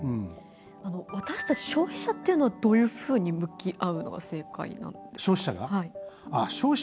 私たち消費者というのはどういうふうに向き合うのが正解なんでしょうか？